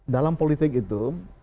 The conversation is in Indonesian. dalam politik itu